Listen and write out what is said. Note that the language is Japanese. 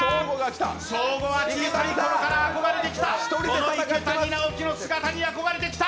ショーゴは小さいころから憧れてきたこの池谷直樹の姿に憧れてきた。